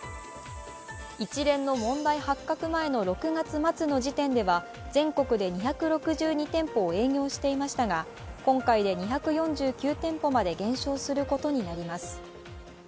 一連の問題発覚前の６月末の時点では全国で２６２店舗を営業していましたが今回で２４９店舗まで減少することになります。